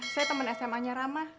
saya teman sma nya ramah